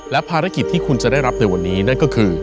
และภารกิจที่คุณจะได้รับในวันนี้นั่นก็คือ